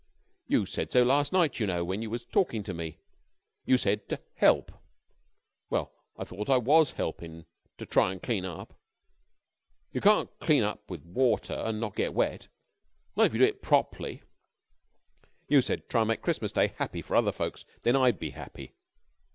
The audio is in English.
You said so last night, you know, when you was talkin' to me. You said to help. Well, I thought it was helpin' to try an' clean up. You can't clean up with water an' not get wet not if you do it prop'ly. You said to try an' make Christmas Day happy for other folks and then I'd be happy.